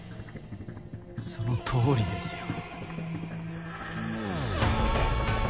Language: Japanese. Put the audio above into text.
その通りですよ。